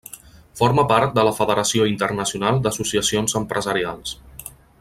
Forma part de la Federació Internacional d'Associacions Empresarials.